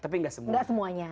tapi gak semuanya